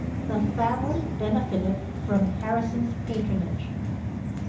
The family benefited from Harrison's patronage.